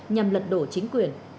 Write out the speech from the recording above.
nhằm lật đổ chính quyền